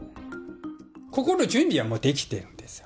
心の準備はもうできてるんですよ。